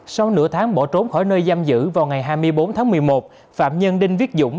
sau nửa tháng bỏ trốn khỏi nơi giam giữ vào ngày hai mươi bốn tháng một mươi một phạm nhân đinh viết dũng